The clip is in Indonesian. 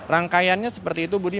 rangkaiannya seperti itu budi